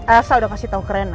elsa udah kasih tahu ke rena